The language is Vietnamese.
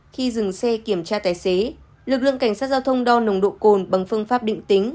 khi dừng xe kiểm tra tài xế lực lượng cảnh sát giao thông đo nồng độ cồn bằng phương pháp định tính